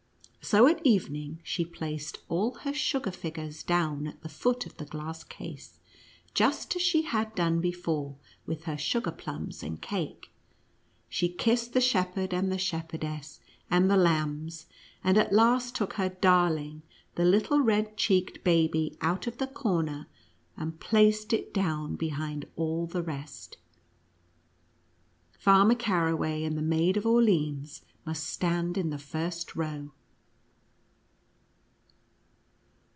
So at evening, she placed all her sugar figures down at the foot of the glass case, just as she had clone before with her sugar plums and cake. She kissed the shepherd, and the shepherdess, and the lambs, and at last took her darling, the little red cheeked baby out of the corner, and placed it down behind all the rest ; Farmer Caraway and the Maid of Orleans must stand in the first row.